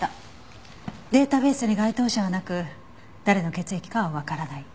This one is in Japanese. データベースに該当者はなく誰の血液かはわからない。